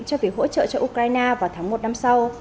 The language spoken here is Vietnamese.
cho việc hỗ trợ cho ukraine vào tháng một năm sau